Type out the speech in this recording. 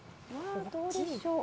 どうでしょう？